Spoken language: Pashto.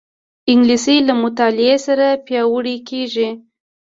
انګلیسي له مطالعې سره پیاوړې کېږي